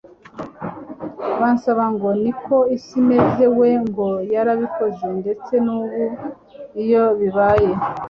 bansaba ngo niko isi imeze we ngo yarabikoze ndetse n'ubu iyo bibaye